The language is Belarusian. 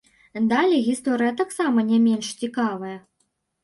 Далей гісторыя таксама не менш цікавая.